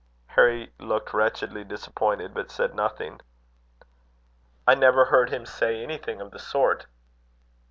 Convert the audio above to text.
Harry looked wretchedly disappointed, but said nothing. "I never heard him say anything of the sort."